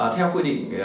theo quy định